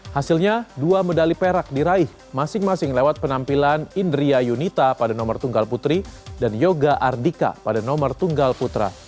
hasilnya dua medali perak diraih masing masing lewat penampilan indria yunita pada nomor tunggal putri dan yoga ardika pada nomor tunggal putra